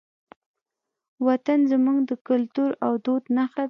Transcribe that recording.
وطن زموږ د کلتور او دود نښه ده.